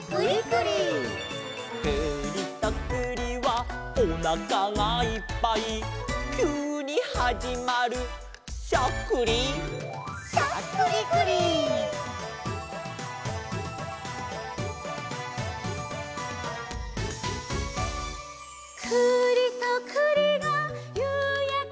「くりとくりはおなかがいっぱい」「きゅうにはじまるしゃっくり」「」「くりとくりがゆうやけみながら」